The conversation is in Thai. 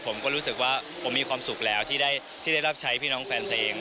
ผมก็รู้สึกว่าผมมีความสุขแล้วที่ได้รับใช้พี่น้องแฟนเพลง